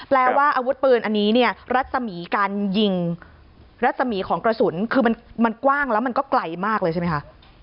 แปลว่าอาวุธปืนอันนี้เนี่ยรัศมีการยิงรัศมีของกระสุนคือมันกว้างแล้วมันก็ไกลมากเลยใช่ไหมคะ